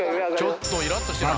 ちょっとイラッとしてない？